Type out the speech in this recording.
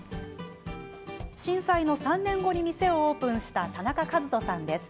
震災の３年後に店をオープンした田中和人さんです。